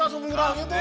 kenapa kamu bergerak